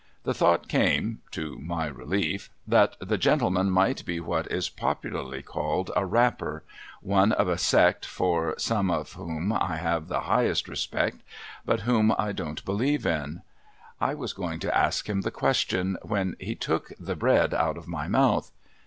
The thought came to my relief that the gentleman might be what is popularly called a Rapper: one of a sect for (some of) whom I have the highest respect, but whom I don't believe in. I was going to ask him the question, when he took the bread out of my mouth.